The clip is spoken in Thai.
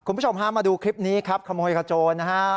คุณผู้ชมฮะมาดูคลิปนี้ครับขโมยขโจรนะฮะ